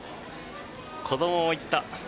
子どもも行った。